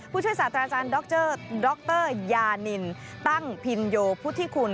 ผู้ช่วยสตระจานดรยานิลตั้งภิโยพุทธิคุณ